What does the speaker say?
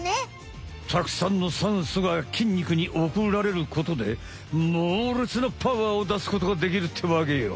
たくさんのさんそが筋肉におくられることでもうれつなパワーを出すことができるってわけよ！